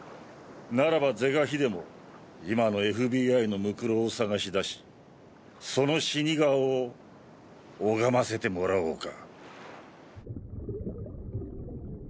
ならば是が非でも今のＦＢＩの骸を探し出しその死に顔を拝ませてもらおうか。